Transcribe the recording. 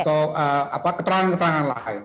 atau keterangan keterangan lain